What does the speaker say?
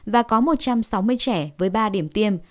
và có một trăm sáu mươi trẻ với ba điểm tiêm